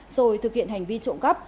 rồi thực hiện hành vi trộm cắp